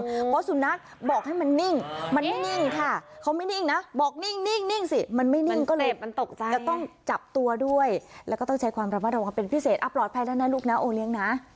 เพราะสุนัขบอกให้มันนิ่งมันนิ่งค่ะ